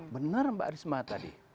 benar mbak risma tadi